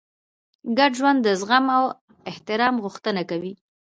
ګډ ژوند د زغم او احترام غوښتنه کوي.